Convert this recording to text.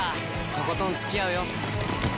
とことんつきあうよ！